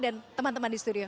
dan teman teman di studio